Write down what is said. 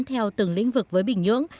theo từng lĩnh vực với bình nhưỡng